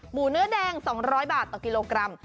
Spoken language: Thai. เนื้อแดง๒๐๐บาทต่อกิโลกรัม